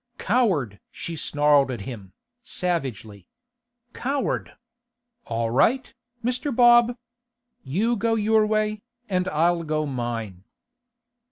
'Coward!' she snarled at him, savagely. 'Coward! All right, Mr. Bob. You go your way, and I'll go mine.